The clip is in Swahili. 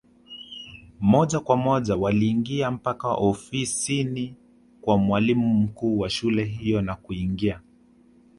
Moja kwa moja waliingia mpaka ofisini kwa mwalimu mkuu wa shule hiyo na kuingia